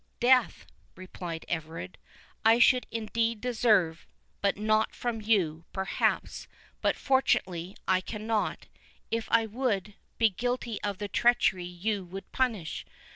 "Death," replied Everard, "I should indeed deserve, but not from you, perhaps; but fortunately, I cannot, if I would, be guilty of the treachery you would punish.